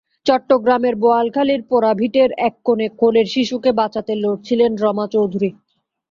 চট্টগ্রামের বোয়ালখালীর পোড়া ভিটের এক কোণে কোলের শিশুকে বাঁচাতে লড়ছিলেন রমা চৌধুরী।